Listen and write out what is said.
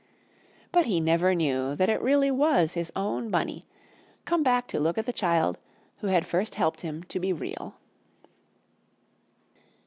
But he never knew that it really was his own Bunny, come back to look at the child who had first helped him to be Real.